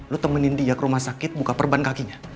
lu temenin dia ke rumah sakit buka perban kakinya